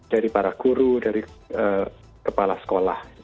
dari para guru dari kepala sekolah